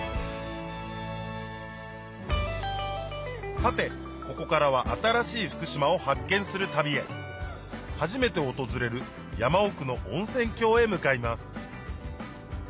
さてここからは新しい福島を発見する旅へ初めて訪れる山奥の温泉郷へ向かいます